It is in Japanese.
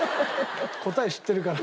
答え知ってるから。